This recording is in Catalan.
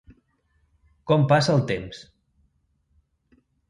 Com passa el temps!